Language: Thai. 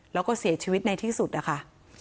แล้วก็เสียชีวิตในที่สุดนะคะ